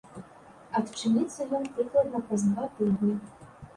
Адчыніцца ён прыкладна праз два тыдні.